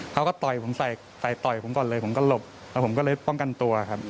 ต่อยผมใส่ต่อยผมก่อนเลยผมก็หลบแล้วผมก็เลยป้องกันตัวครับ